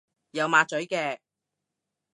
有抹嘴嘅